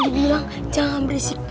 dia bilang jangan berisik